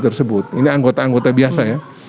tersebut ini anggota anggota biasa ya